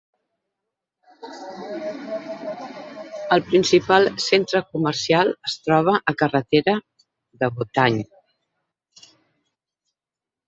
El principal centre comercial es troba a carretera de Botany.